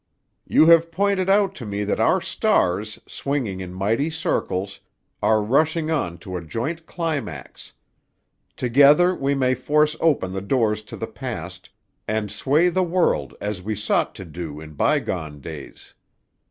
"'You have pointed out to me that our stars, swinging in mighty circles, are rushing on to a joint climax. Together we may force open the doors to the past, and sway the world as we sought to do in bygone days.